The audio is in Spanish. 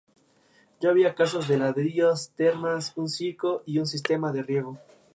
Ya había casas de ladrillos, termas, un circo, y un sistema de riego.